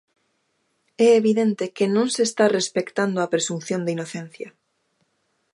É evidente que non se está respectando a presunción de inocencia.